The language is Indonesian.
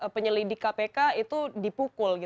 penyelidik kpk itu dipukul